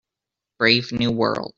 Brave new world